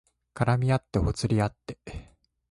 絡みあってほつれあって